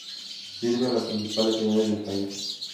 Sirve a las principales ciudades del país.